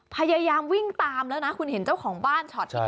พยายามวิ่งตามแล้วนะคุณเห็นเจ้าของบ้านช็อตที่